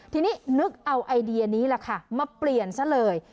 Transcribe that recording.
ทีนี้นึกเอาไอเดียนี้แหละค่ะมาเปลี่ยนซะเลย